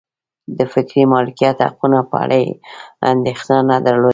د فکري مالکیت حقونو په اړه یې اندېښنه نه درلوده.